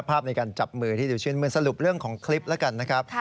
ภาพในการจับมือที่ดูชื่นมือสรุปเรื่องของคลิปแล้วกันนะครับ